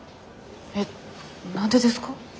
えっ何でですか？